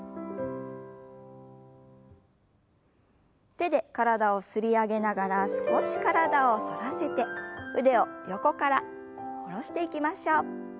手で体を擦り上げながら少し体を反らせて腕を横から下ろしていきましょう。